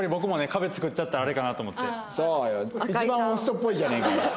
一番ホストっぽいじゃねえか。